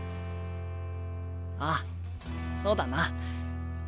ああそうだな。